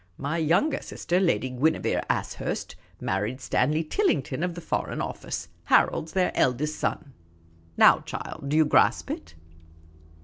My younger sister, Lady Guinevere Ashurst, married Stanley Tillington of the Foreign Office. Harold 's their eldest son. Now, child, do you grasp it